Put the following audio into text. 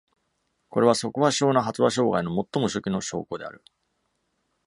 これは、速話症な発話障害の最も初期の証拠である。